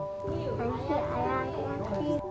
iya ayah aku mau tidur